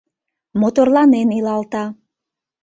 Моторланен илалта: